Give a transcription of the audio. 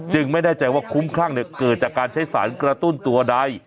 จึงไม่ได้แจ้ว่าคุ้มคร่างเกิดจากการใช้สารกระตุ้นตัวใด